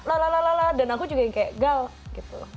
na lalalala dan aku juga kayak gal gitu